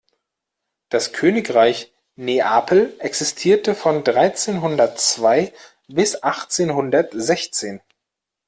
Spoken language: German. Das Königreich Neapel existierte von dreizehnhundertzwei bis achtzehnhundertsechzehn.